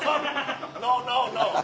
ノーノーノー。